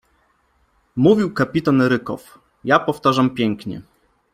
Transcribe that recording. Mówił kapitan Rykow, ja powtarzam pięknie